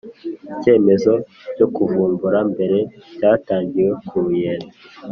icyemezo cyo kuvumbura mbere cyatangiwe ku ruyenzi